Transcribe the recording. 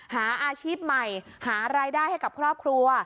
หาอาชีพใหม่หารายได้ให้กับครอบครัว